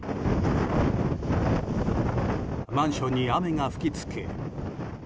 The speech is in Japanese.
マンションに雨が吹き付け